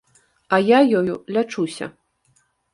А я ёю лячуся.